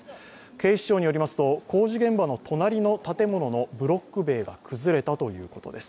警視庁によりますと工事現場の隣の建物のブロック塀が崩れたということです。